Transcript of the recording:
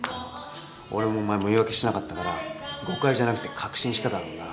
俺もお前も言い訳しなかったから誤解じゃなくて確信しただろうな。